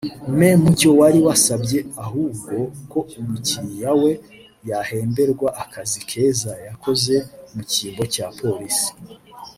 Me Mucyo wari wasabye ahubwo ko umukiriya we yahemberwa akazi keza yakoze mu cyimbo cya Polisi